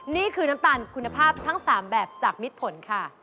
นี่คือน้ำตาลคุณภาพทั้ง๓แบบจากมิดผลค่ะ